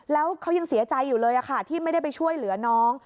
แล้วเขายังเสียใจอยู่เลยค่ะที่ไม่ได้ไปช่วยเหลือน้อง